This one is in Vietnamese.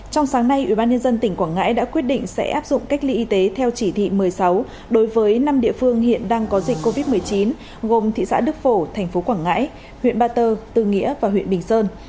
trong sáng nay ubnd tỉnh quảng ngãi đã quyết định sẽ áp dụng cách ly y tế theo chỉ thị một mươi sáu đối với năm địa phương hiện đang có dịch covid một mươi chín gồm thị xã đức phổ thành phố quảng ngãi huyện ba tơ tư nghĩa và huyện bình sơn